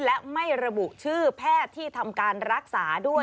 และไม่ระบุชื่อแพทย์ที่ทำการรักษาด้วย